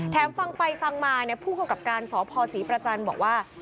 ฟังไปฟังมาผู้กำกับการสพศรีประจันทร์บอกว่า